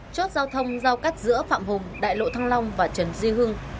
chốt giao thông giao cắt giữa phạm hùng đại lộ thăng long và trần duy hưng